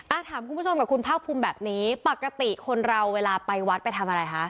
ถามคุณผู้ชมกับคุณภาคภูมิแบบนี้ปกติคนเราเวลาไปวัดไปทำอะไรคะ